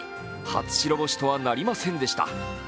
初白星とはなりませんでした。